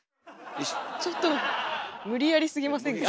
ちょっと無理やりすぎませんか。